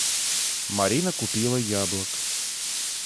Марина купила яблок.